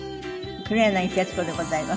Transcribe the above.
黒柳徹子でございます。